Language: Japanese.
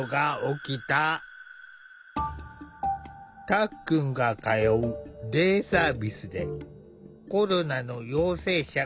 たっくんが通うデイサービスでコロナの陽性者が発生。